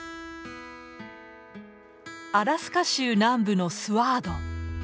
アラスカ州南部のスワード。